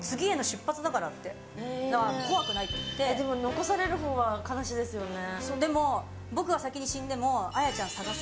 残されるほうは悲しいですよね。